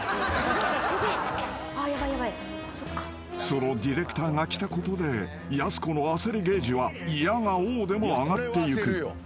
［そのディレクターが来たことでやす子の焦りゲージはいやが応でも上がっていく］